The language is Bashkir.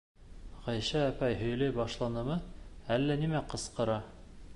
Ғәйшә апай һөйләй башланымы, әллә нимә ҡысҡыра.